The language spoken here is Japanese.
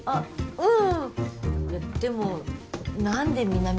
うん。